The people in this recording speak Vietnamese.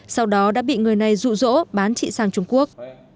sau đó đã bị người này rụ rỗ bán chị sang trung quốc